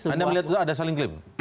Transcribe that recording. anda melihat itu ada saling klaim